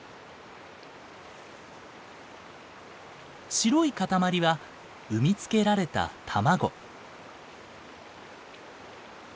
白い塊は産み付けられた卵。